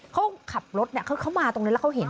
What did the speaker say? เขาขับรถเนี่ยเขามาตรงนี้แล้วเขาเห็น